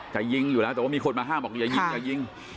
แต่ยิงอยู่แล้วแต่ว่ามีคนมาห้ามบอกอย่ายิง